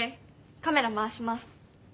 カメラ回します。